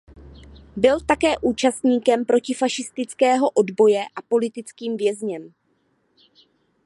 Byl také účastníkem protifašistického odboje a politickým vězněm.